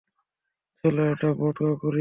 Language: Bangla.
চলো এটা বড় করি।